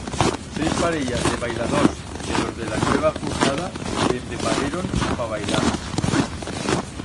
Seis parellas de bailadors de los de la nueva furnada se prepareron pa bailar.